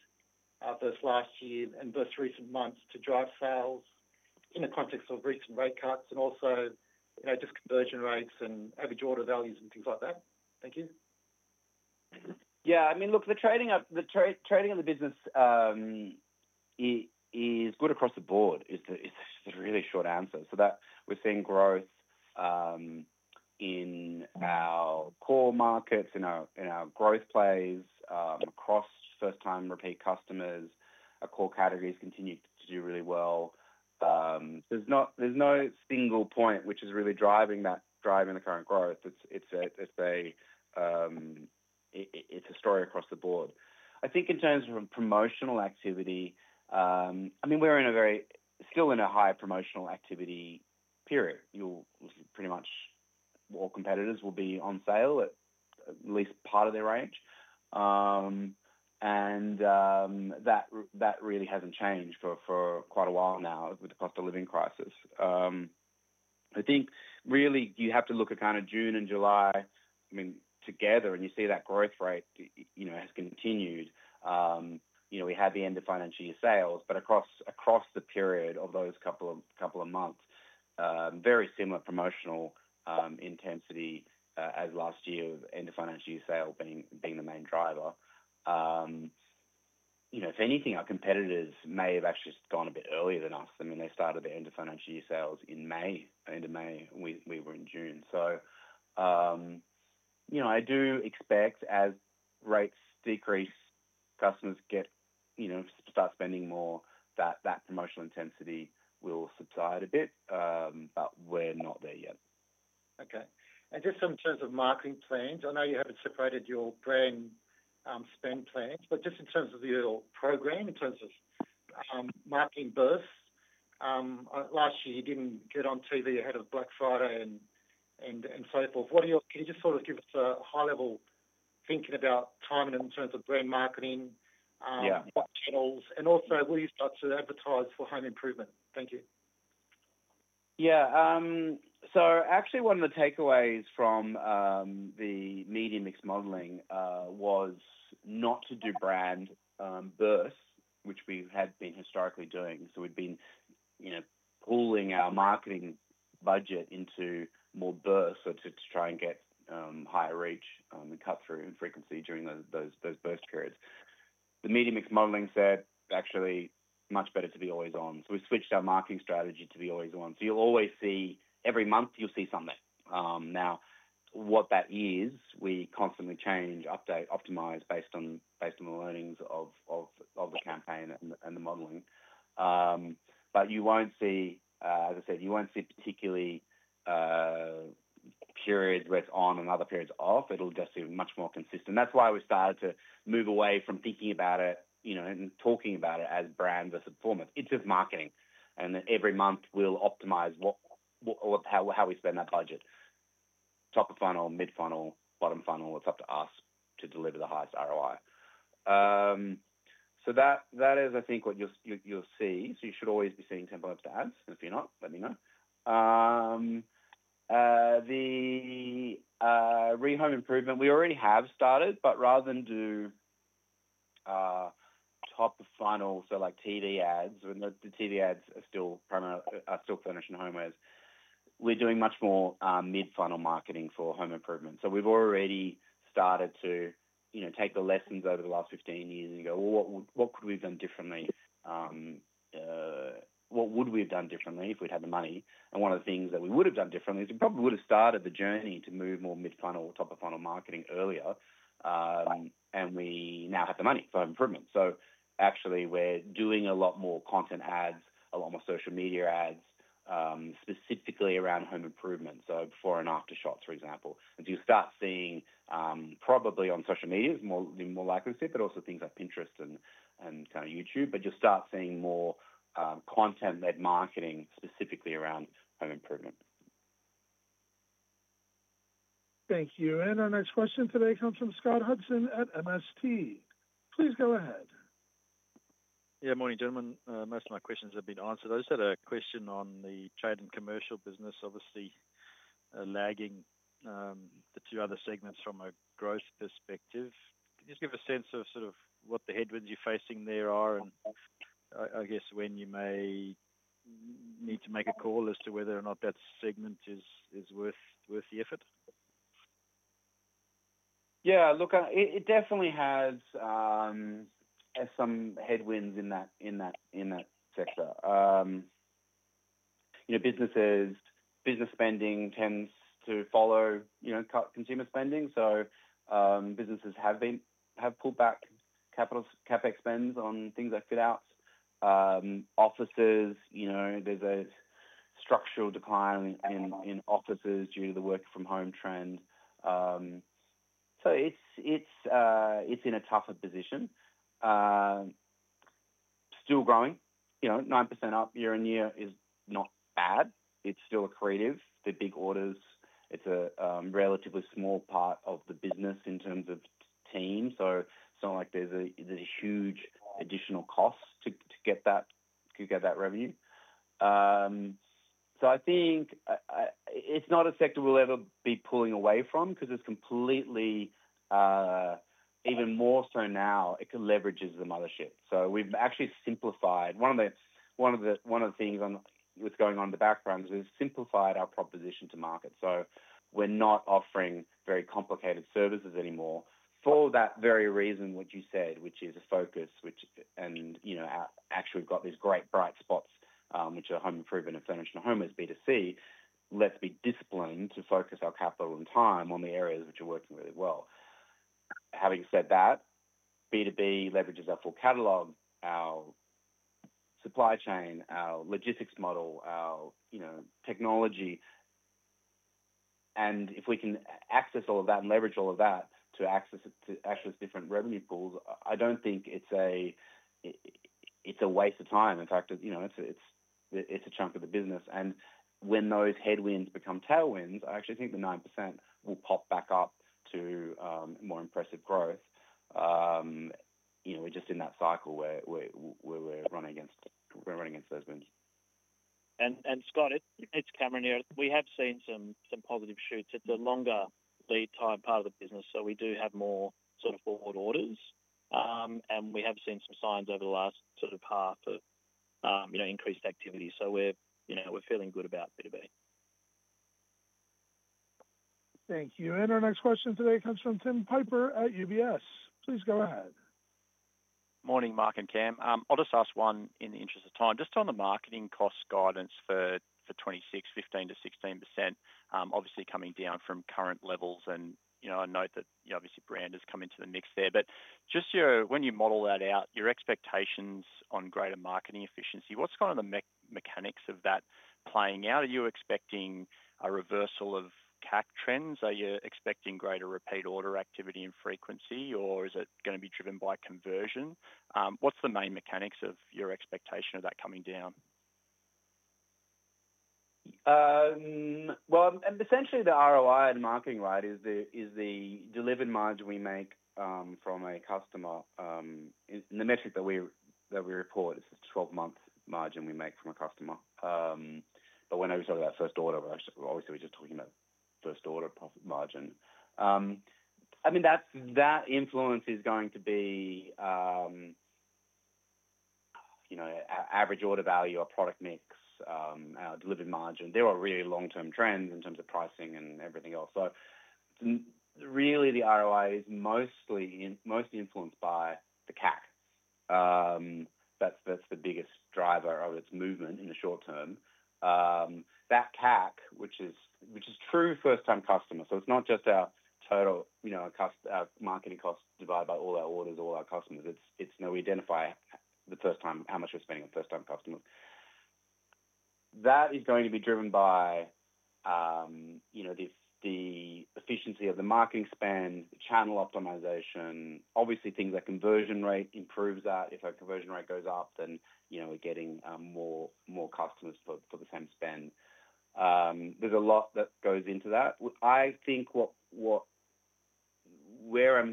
Speaker 12: those last years and those recent months to drive sales in the context of recent rate cuts, and also, you know, just conversion rates and average order values and things like that? Thank you.
Speaker 1: Yeah, I mean, look, the trading of the business is good across the board is the really short answer. We're seeing growth in our core markets, in our growth plays, across first-time repeat customers. Our core categories continue to do really well. There's no single point which is really driving the current growth. It's a story across the board. I think in terms of promotional activity, we're still in a high promotional activity period. You'll see pretty much all competitors will be on sale at at least part of their range. That really hasn't changed for quite a while now with the cost of living crisis. I think you have to look at kind of June and July together, and you see that growth rate has continued. We had the end of financial year sales, but across the period of those couple of months, very similar promotional intensity as last year of end of financial year sales being the main driver. If anything, our competitors may have actually gone a bit earlier than us. They started the end of financial year sales in May. End of May, we were in June. I do expect as rates decrease, customers start spending more, that that promotional intensity will subside a bit, but we're not there yet.
Speaker 12: Okay. In terms of marketing plans, I know you haven't separated your brand spend plans, but just in terms of your program, in terms of marketing bursts, last year you didn't get on TV ahead of Black Friday and so forth. What are your, can you just sort of give us a high-level thinking about time and in terms of brand marketing?
Speaker 1: Yeah.
Speaker 12: What channels? Will you start to advertise for home improvement? Thank you.
Speaker 1: Actually, one of the takeaways from the media mix modeling was not to do brand bursts, which we had been historically doing. We had been pooling our marketing budget into more bursts to try and get higher reach and cut through in frequency during those burst periods. The media mix modeling said it is much better to be always on. We switched our marketing strategy to be always on. You'll always see, every month you'll see something. What that is, we constantly change, update, and optimize based on the learnings of the campaign and the modeling. You won't see, as I said, particularly periods where it's on and other periods off. It will just be much more consistent. That is why we started to move away from thinking about it and talking about it as brand versus performance. It's just marketing. Every month we'll optimize how we spend that budget. Top of funnel, mid-funnel, bottom funnel, it's up to us to deliver the highest ROI. That is, I think, what you'll see. You should always be seeing Temple & Webster ads. If you're not, let me know. Regarding home improvement, we already have started, but rather than do top of funnel, like TV ads, and the TV ads are still furnishing homewares, we're doing much more mid-funnel marketing for home improvement. We have already started to take the lessons over the last 15 years and go, what could we have done differently? What would we have done differently if we'd had the money? One of the things that we would have done differently is we probably would have started the journey to move more mid-funnel or top of funnel marketing earlier. We now have the money for home improvement. We're doing a lot more content ads, a lot more social media ads, specifically around home improvement. Before and after shots, for example. You'll start seeing, probably on social media, more likely to see it, but also things like Pinterest and YouTube. You'll start seeing more content-led marketing specifically around home improvement.
Speaker 3: Thank you. Our next question today comes from Scott Hudson at MST. Please go ahead.
Speaker 13: Yeah, morning gentlemen. Most of my questions have been answered. I just had a question on the Trade & Commercial division, obviously lagging the two other segments from a growth perspective. Can you just give a sense of sort of what the headwinds you're facing there are, and I guess when you may need to make a call as to whether or not that segment is worth the effort?
Speaker 1: Yeah, look, it definitely has some headwinds in that sector. Business spending tends to follow, you know, consumer spending. Businesses have pulled back capital CapEx spends on things like fit-outs. Offices, you know, there's a structural decline in offices due to the work-from-home trend. It's in a tougher position. Still growing, 9% up year-on-year is not bad. It's still accretive. They're big orders. It's a relatively small part of the business in terms of team. It's not like there's a huge additional cost to get that revenue. I think it's not a sector we'll ever be pulling away from because it's completely, even more so now, it leverages the mothership. We've actually simplified one of the things that's going on in the background is we've simplified our proposition to market. We're not offering very complicated services anymore for that very reason which you said, which is a focus, which, and you know, actually we've got these great bright spots, which are home improvement and furnishing homewares B2C. Let's be disciplined to focus our capital and time on the areas which are working really well. Having said that, B2B leverages our full catalog, our supply chain, our logistics model, our technology. If we can access all of that and leverage all of that to access different revenue pools, I don't think it's a waste of time. In fact, it's a chunk of the business. When those headwinds become tailwinds, I actually think the 9% will pop back up to more impressive growth. We're just in that cycle where we're running against those winds.
Speaker 2: Scott, it's Cameron here. We have seen some positive shoots. It's a longer lead time part of the business. We do have more sort of forward orders, and we have seen some signs over the last sort of part of increased activity. We're feeling good about B2B.
Speaker 3: Thank you. Our next question today comes from Tim Piper at UBS. Please go ahead.
Speaker 14: Morning, Mark and Cam. I'll just ask one in the interest of time. Just on the marketing cost guidance for 2026, 15 to 16%, obviously coming down from current levels. I note that obviously brand has come into the mix there. Just when you model that out, your expectations on greater marketing efficiency, what's kind of the mechanics of that playing out? Are you expecting a reversal of CAC trends? Are you expecting greater repeat order activity and frequency, or is it going to be driven by conversion? What's the main mechanics of your expectation of that coming down?
Speaker 1: Essentially, the ROI and marketing rate is the delivered margin we make from a customer. In the metric that we report, it's a 12-month margin we make from a customer. Whenever we talk about first order, obviously we're just talking about first order profit margin. That influence is going to be our average order value, our product mix, our delivered margin. There are really long-term trends in terms of pricing and everything else. The ROI is mostly influenced by the CAC. That's the biggest driver of its movement in the short term. That CAC, which is true first-time customers, so it's not just our total, our marketing costs divided by all our orders, all our customers. We identify the first time how much we're spending with first-time customers. That is going to be driven by the efficiency of the marketing spend, channel optimization, obviously things like conversion rate improves that. If our conversion rate goes up, then we're getting more customers for the same spend. There's a lot that goes into that.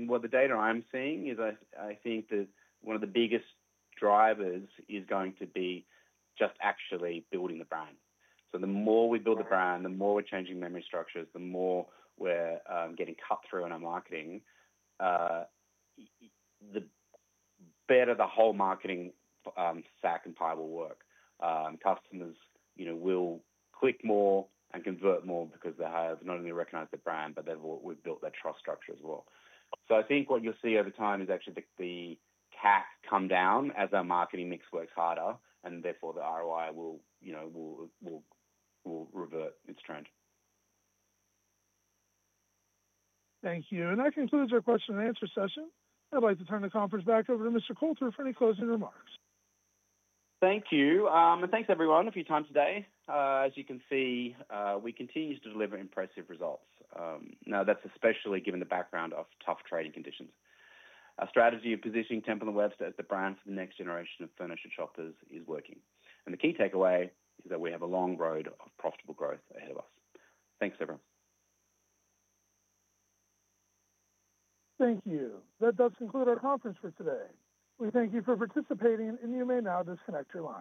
Speaker 1: What the data I'm seeing is I think that one of the biggest drivers is going to be just actually building the brand. The more we build the brand, the more we're changing memory structures, the more we're getting cut through in our marketing, the better the whole marketing stack and pile will work. Customers will click more and convert more because they have not only recognized the brand, but we've built their trust structure as well. I think what you'll see over time is actually the CAC come down as our marketing mix works harder, and therefore the ROI will revert its trend.
Speaker 3: Thank you. That concludes our question and answer session. I'd like to turn the conference back over to Mr. Coulter for any closing remarks.
Speaker 1: Thank you. Thanks everyone for your time today. As you can see, we continue to deliver impressive results. That's especially given the background of tough trading conditions. Our strategy of positioning Temple & Webster as the brand for the next generation of furniture shoppers is working. The key takeaway is that we have a long road of profitable growth ahead of us. Thanks, everyone.
Speaker 3: Thank you. That does conclude our conference for today. We thank you for participating, and you may now disconnect your line.